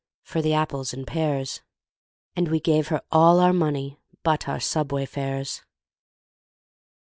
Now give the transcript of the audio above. for the apples and pears, And we gave her all our money but our subway fares.